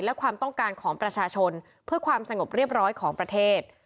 และความต้องการของประชาชนเพื่อความสงบเรียบร้อยของประเทศ